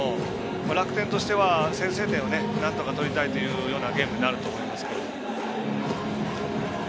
楽天としては先制点をなんとか取りたいというゲームになると思います。